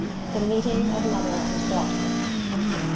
The Meeting Of Mother And Daughter.